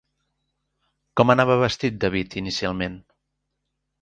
Com anava vestit David inicialment?